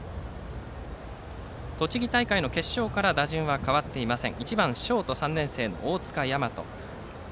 栃木大会の決勝から打順は変わっていません。